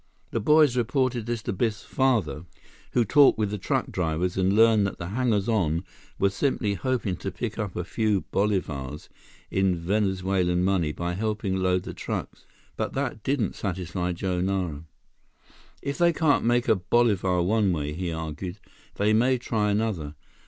The boys reported this to Biff's father, who talked with the truck drivers and learned that the hangers on were simply hoping to pick up a few bolivars in Venezuelan money by helping load the trucks. But that didn't satisfy Joe Nara. "If they can't make a bolivar one way," he argued, "they may try another.